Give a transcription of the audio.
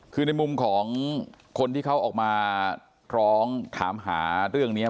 คือในมุมของคนที่เขาออกมาร้องถามหาเรื่องนี้